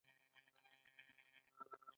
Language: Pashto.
او د فن په حواله يو عجيبه نزاکت